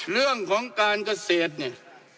เรื่องของการเกษตรเนี่ย